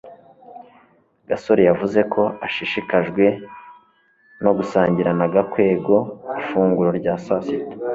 gasore yavuze ko ashishikajwe no gusangira na gakwego ifunguro rya saa sita